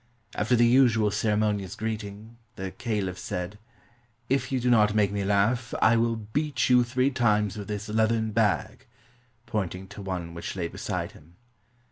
After the usual ceremonious greeting, the caliph said, "If you do not make me laugh, I will beat you three times with this leathern bag," pointing to one which lay beside him.